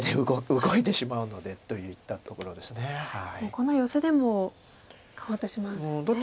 このヨセでもかわってしまうんですね。